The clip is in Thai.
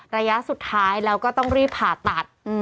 ระยะสุดท้ายแล้วก็ต้องรีบผ่าตัด